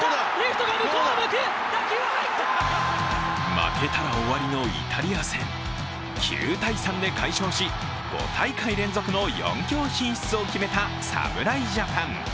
負けたら終わりのイタリア戦。９−３で快勝し５大会連続の４強進出を決めた侍ジャパン。